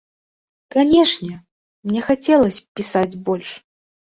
Канешне, мне хацелася б пісаць больш.